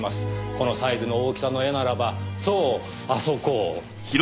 このサイズの大きさの絵ならばそうあそこ。